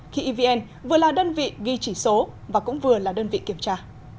khi evn vừa là đơn vị ghi chỉ số và cũng vừa là đơn vị kiểm tra